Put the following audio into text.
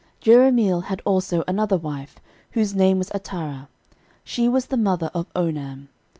13:002:026 Jerahmeel had also another wife, whose name was Atarah; she was the mother of Onam.